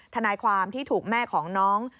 ทนายความที่ถูกแม่ของน้อง